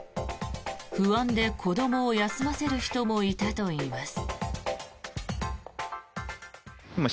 不安で子どもを休ませる人もいたといいます。